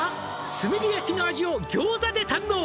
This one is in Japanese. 「炭火焼の味を餃子で堪能」